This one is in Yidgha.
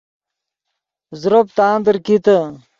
زروپ تاندیر کیتے